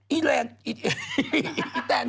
อีแรนอีแตนแตน